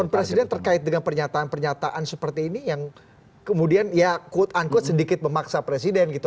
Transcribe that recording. presiden terkait dengan pernyataan pernyataan seperti ini yang kemudian ya quote unquote sedikit memaksa presiden gitu